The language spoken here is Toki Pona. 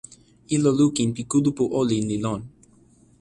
ilo lukin pi kulupu olin li lon.